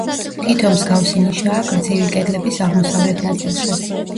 თითო მსგავსი ნიშაა გრძივი კედლების აღმოსავლეთ ნაწილში.